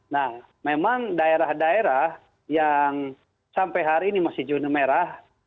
nah memang daerah daerah yang sampai hari ini masih zona merah